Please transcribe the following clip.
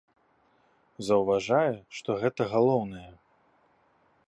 Заўважае, што гэта галоўнае.